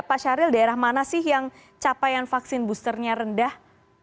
pak syahril daerah mana sih yang capaian vaksin boosternya rendah